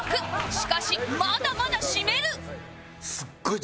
しかしまだまだシメる！